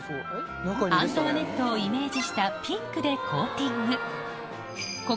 アントワネットをイメージしたピンクでコーティング